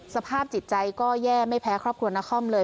สภาพจิตใจก็แย่ไม่แพ้ครอบครัวนครเลย